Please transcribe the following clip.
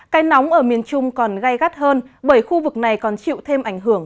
cây nóng ở miền trung còn gai gắt hơn bởi khu vực này còn chịu thêm ảnh hưởng